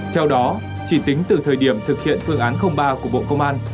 theo đó chỉ tính từ thời điểm thực hiện phương án ba của bộ công an